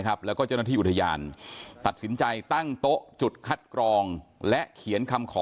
แล้วก็เจ้าหน้าที่อุทยานตัดสินใจตั้งโต๊ะจุดคัดกรองและเขียนคำขอ